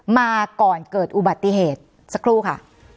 มาก่อนเกิดอุบัติเหตุสักครู่ค่ะ